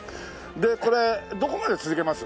でこれどこまで続けます？